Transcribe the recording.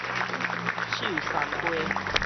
秀山街